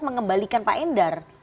mengembalikan pak endar